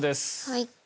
はい。